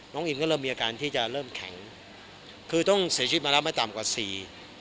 อินก็เริ่มมีอาการที่จะเริ่มแข็งคือต้องเสียชีวิตมาแล้วไม่ต่ำกว่าสี่